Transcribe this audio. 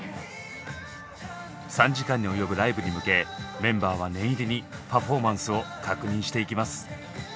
３時間に及ぶライブに向けメンバーは念入りにパフォーマンスを確認していきます。